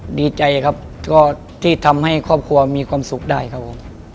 ผมไม่ค่อยกลัวเลยครับเพราะว่าไม่รู้ไม่ว่าจะเป็นใครครับก็จะทำให้เต็มที่ไม่ว่าจะเป็นคนไทยหรือว่าเป็นคนฝรั่ง